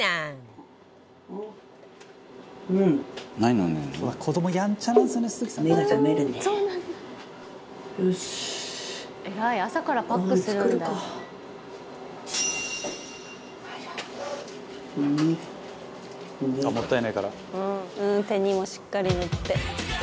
松本：手にも、しっかり塗って。